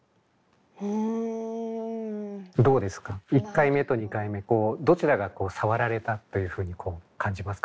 １回目と２回目どちらがさわられたというふうに感じますか？